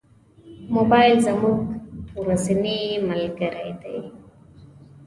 موبایل زموږ ورځنی ملګری دی.